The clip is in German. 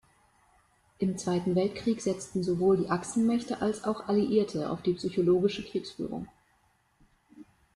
Im Zweiten Weltkrieg setzten sowohl die Achsenmächte als auch Alliierte auf die psychologische Kriegsführung.